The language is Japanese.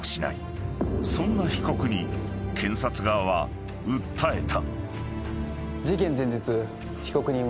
［そんな被告に検察側は訴えた］